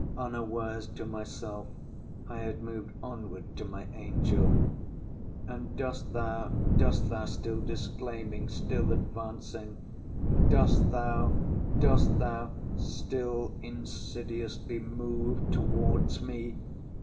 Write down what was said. Unawares to myself, I had moved onward to my angel—'And dost thou, dost thou, still disclaiming, still advancing—dost thou, dost thou, still insidiously move towards me?